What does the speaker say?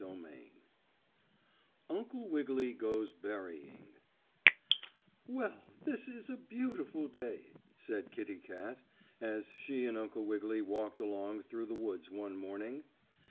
STORY XXX UNCLE WIGGILY GOES BERRYING "Well, this is a beautiful day," said Kittie Kat, as she and Uncle Wiggily walked along through the woods one morning.